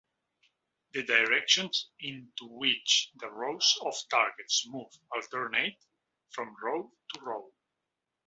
The directions in which the rows of targets move alternate from row to row.